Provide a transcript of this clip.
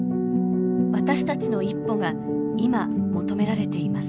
私たちの一歩が今求められています。